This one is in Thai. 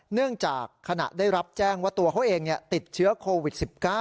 เนื่องจากขณะได้รับแจ้งว่าตัวเขาเองติดเชื้อโควิด๑๙